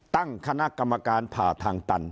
ตั้งคณะกรรมการผ่าทางตัน